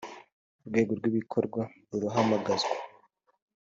urwego rw ibikorwa rurahamagazwa